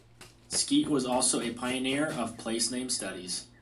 Skeat was also a pioneer of place-name studies.